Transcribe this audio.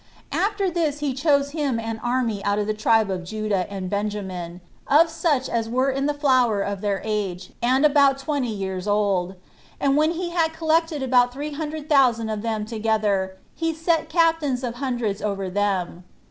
After this he chose him an army out of the tribe of Judah and Benjamin, of such as were in the flower of their age, and about twenty years old; and when he had collected about three hundred thousand of them together, he set captains of hundreds over them.